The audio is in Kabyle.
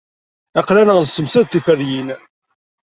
Aql-aneɣ nessemsad tiferyin.